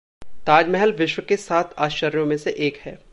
ताज महल विश्व के सात आश्चर्यों में से एक है।